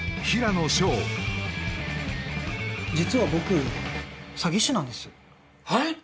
実は僕詐欺師なんですはい！？